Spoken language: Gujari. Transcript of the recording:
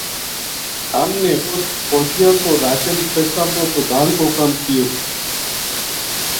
ہم نے اُت فوجیاں کو راشن پِٹکاں پو پوہچان کو کم کریو